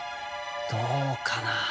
どうかな。